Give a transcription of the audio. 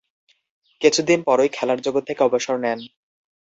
কিছুদিন পরই খেলার জগৎ থেকে অবসর নেন।